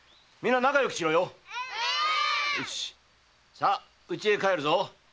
さあうちへ帰るぞ。